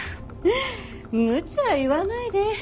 むちゃ言わないで。